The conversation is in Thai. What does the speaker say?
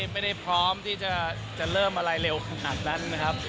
ไม่ได้พร้อมที่จะเริ่มอะไรเร็วขนาดนั้นนะครับ